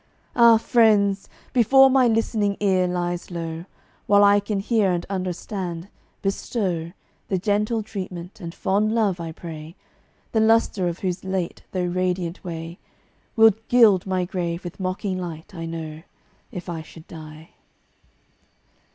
Ah, friends! before my listening ear lies low, While I can hear and understand, bestow That gentle treatment and fond love, I pray, The lustre of whose late though radiant way Would gild my grave with mocking light, I know, If I should die.